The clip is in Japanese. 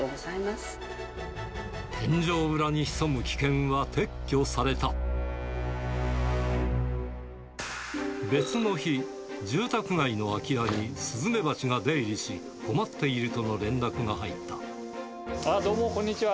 天井裏に潜む危険は撤去され別の日、住宅街の空き家にスズメバチが出入りし、困っているとの連絡が入どうも、こんにちは。